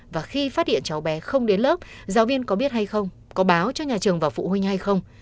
và khi phát hiện cháu bé không đến lớp giáo viên có biết hay không có báo cho nhà trường và phụ huynh hay không